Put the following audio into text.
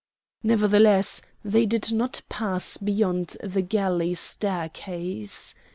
Nevertheless, they did not pass beyond the galley staircase.